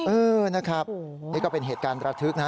เออนะครับนี่ก็เป็นเหตุการณ์ระทึกนะ